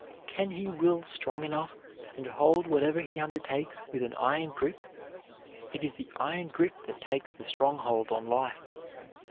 Can he will strong enough, and hold whatever he undertakes with an iron grip? It is the iron grip that takes the strong hold on life.